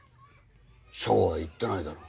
そうは言ってないだろ。